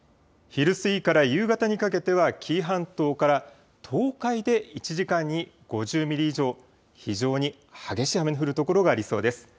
昼過ぎから夕方にかけては紀伊半島から東海で１時間に５０ミリ以上、非常に激しい雨の降る所がありそうです。